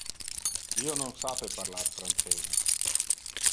Io non sape parlar francese.